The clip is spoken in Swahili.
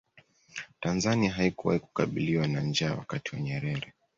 tanzania haikuwahi kukabiliwa na njaa wakati wa nyerere